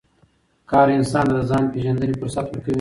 کار انسان ته د ځان د پېژندنې فرصت ورکوي